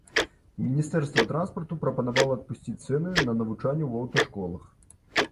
Міністэрства транспарту прапанавала адпусціць цэны на навучанне ў аўташколах.